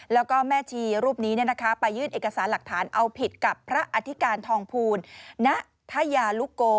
แล้วก็แม่ชีรูปนี้ไปยื่นเอกสารหลักฐานเอาผิดกับพระอธิการทองภูลณฑยาลุโก